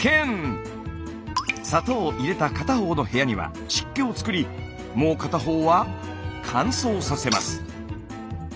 砂糖を入れた片方の部屋には湿気をつくりもう片方は乾燥させます。